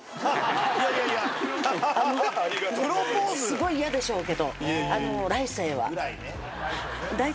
すごい嫌でしょうけど。